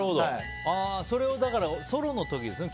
それをソロの時ですよね